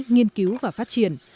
nghiên cứu và phát triển